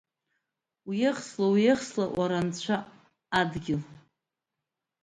Уеихсла, уеихсла уара, анцәа, адгьыл.